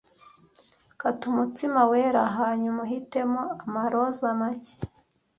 kata umutsima wera hanyuma uhitemo amaroza make